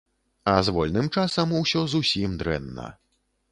А з вольным часам усё зусім дрэнна.